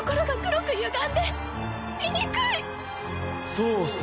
そうさ。